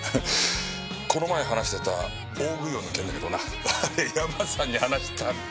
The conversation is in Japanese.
この前話してた大食い王の件だけどなあれヤマさんに話したら。